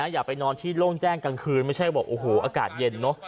อย่าไปนอนที่โล่งแจ้งกลางคืนไม่ใช่บอกโอ้โหอากาศเย็นเนอะ